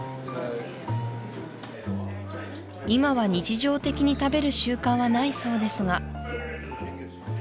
今は日常的に食べる習慣はないそうですが